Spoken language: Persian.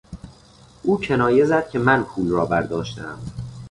او کنایه زد که من پول را برداشتهام.